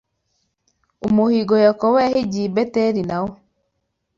Umuhigo Yakobo yahigiye i Beteli na wo